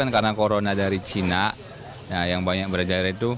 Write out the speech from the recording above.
karena corona dari china yang banyak berjarah itu